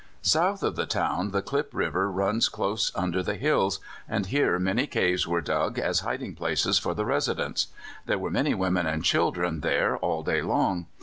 South of the town the Klip River runs close under the hills, and here many caves were dug as hiding places for the residents. There were many women and children there all day long.